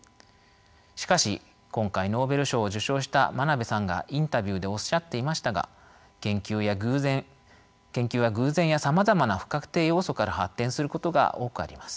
しかし今回ノーベル賞を受賞した眞鍋さんがインタビューでおっしゃっていましたが研究は偶然やさまざまな不確定要素から発展することが多くあります。